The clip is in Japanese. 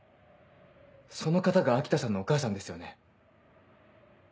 その方が秋田さんのお母さんですよね？